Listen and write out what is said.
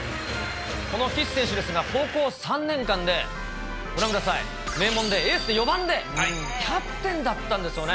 この岸選手ですが、高校３年間で、ご覧ください、名門でエースで４番でキャプテンだったんですよね。